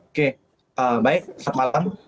oke baik selamat malam